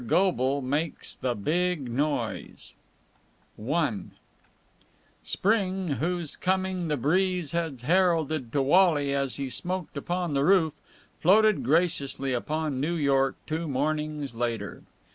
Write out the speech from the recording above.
GOBLE MAKES THE BIG NOISE I Spring, whose coming the breeze had heralded to Wally as he smoked upon the roof, floated graciously upon New York two mornings later.